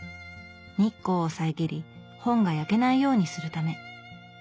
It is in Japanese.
日光を遮り本が焼けないようにするため。